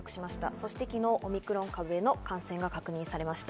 そして昨日、オミクロン株の感染が確認されました。